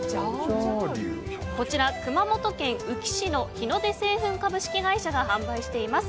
こちら熊本県宇城市の日の出製粉株式会社が販売しています。